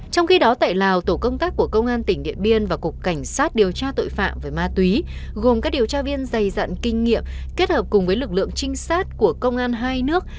trong khi đó tại lào tổ công tác của công an tỉnh điện biên và cục cảnh sát điều tra tội phạm về ma túy gồm các điều tra viên dày dặn kinh nghiệm kết hợp cùng với lực lượng trinh sát của công an hai nước